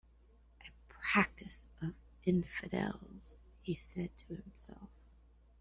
"A practice of infidels," he said to himself.